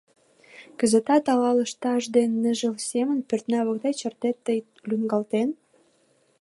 Кызытат ала лышташ ден ныжыл семым Пӧртна воктеч эртет тый лӱҥгалтен?